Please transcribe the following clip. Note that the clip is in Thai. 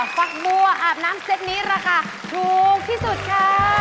ฟักบัวอาบน้ำเซ็ตนี้ราคาถูกที่สุดค่ะ